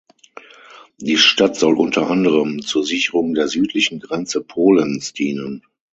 Die Stadt sollte unter anderem zur Sicherung der südlichen Grenze Polens dienen.